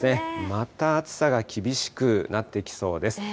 また暑さが厳しくなってきそうです。